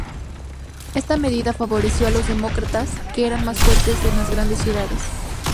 Esta medida favoreció a los demócratas, que eran más fuertes en las grandes ciudades.